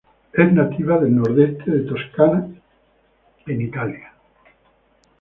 Es nativa del nordeste de Toscana en Italia.